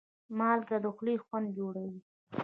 مالګه د خولې خوند جوړوي.